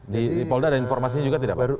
di polda ada informasinya juga tidak pak